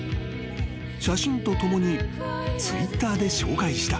［写真とともにＴｗｉｔｔｅｒで紹介した］